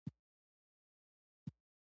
د ده مخ ولید، پورته خوا ته تاو شوي بریتونه.